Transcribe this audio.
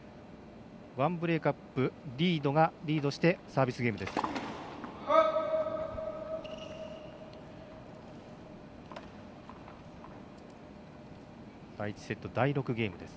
１ブレークアップリードがリードしてサービスゲームです。